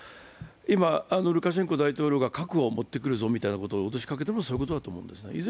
今、ルカシェンコ大統領が核を持ってくるぞと脅しをかけているのはそういうことだと思うんですね。